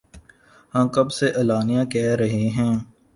ہم کب سے اعلانیہ کہہ رہے ہیں